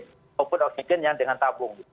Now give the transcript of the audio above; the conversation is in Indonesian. ataupun oksigen yang dengan tabung